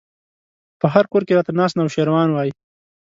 په هر کور کې راته ناست نوشيروان وای